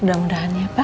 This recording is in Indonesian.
mudah mudahan ya pa